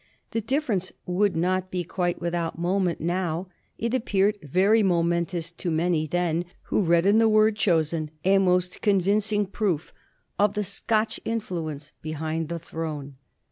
The difference would not be quite without moment now: it appeared very momentous to many then, who read in the word chosen a most convincing proof of the Scotch influence behind the throne.